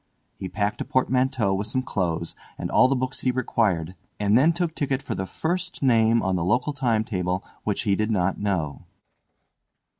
He packed a portmanteau with some clothes and all the books he required, and then took ticket for the first name on the local time table which he did not know.